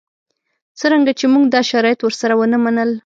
څرنګه چې موږ دا شرایط ورسره ونه منل.